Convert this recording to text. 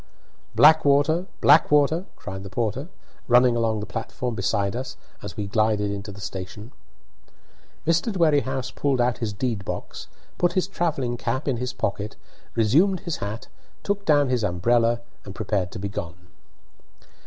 "Blackwater! Blackwater!" cried the porter, running along the platform beside us as we glided into the station. Mr. Dwerrihouse pulled out his deed box, put his travelling cap in his pocket, resumed his hat, took down his umbrella, and prepared to be gone.